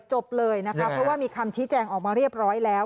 จบเลยนะคะเพราะว่ามีคำชี้แจงออกมาเรียบร้อยแล้ว